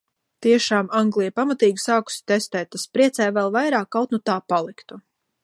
Tiešām Anglija pamatīgi sākusi testēt, tas priecē vēl vairāk, kaut nu tā paliktu.